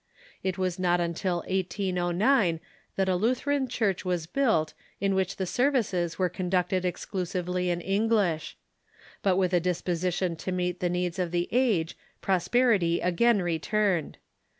It was not until 1809 that a Lutheran church was built, in which the services were conducted exclusively in English. But with a disposition to meet the needs of the age prosperity again returned.